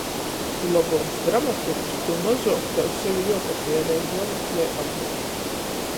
Kū lobuoks dramaturgs, tū mozuok tev sevi juopatierej, juomeklej apleik.